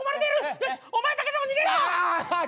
よしお前だけでも逃げろ！